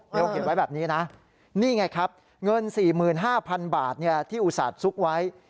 เดี๋ยวเขียนไว้แบบนี้นะนี่ไงครับเงิน๔๕๐๐๐บาทเนี่ยที่อุศาสตร์ซุกไว้